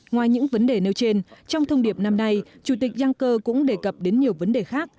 ngoài những vấn đề nêu trên trong thông điệp năm nay chủ tịch yang cơ cũng đề cập đến nhiều vấn đề khác